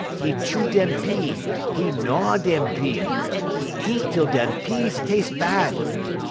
'E chew dem pea, 'e gnyaw dem pea; 'e eat tel dem pea tas'e bad.